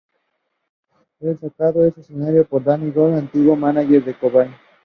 Es sacado del escenario por Danny Goldberg, antiguo mánager de Cobain.